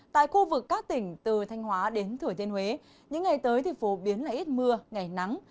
tại khu vực các tỉnh từ thanh hóa đến thừa thiên huế những ngày tới thì phổ biến là ít mưa ngày nắng